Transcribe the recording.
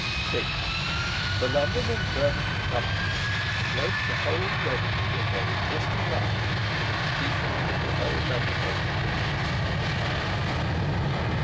6. The London and Birmingham Company to pledge the whole revenue of their existing line for the completion of the proposed undertaking within a reasonable time.